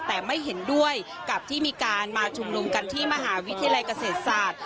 แต่ไม่เห็นด้วยกับที่มีการมาชุมนุมกันที่มหาวิทยาลัยเกษตรศาสตร์